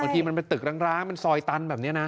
บางที่มันเป็นตึกร้างมันสอยตันแบบนี้นะ